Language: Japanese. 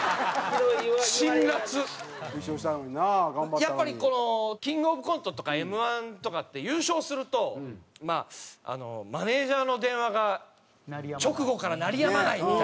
やっぱりこのキングオブコントとかＭ−１とかって優勝するとまあマネジャーの電話が直後から鳴りやまないみたいな。